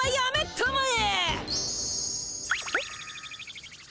たまえ。